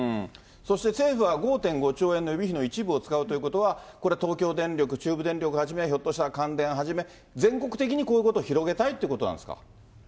そして政府は５．５兆円の予備費の一部を使うということは、これ、東京電力、中部電力はじめ、ひょっとしたら関電はじめ、全国的にこういうことを広げたいということなんですか？